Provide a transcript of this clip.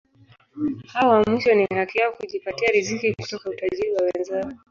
Hao wa mwisho ni haki yao kujipatia riziki kutoka utajiri wa wenzao.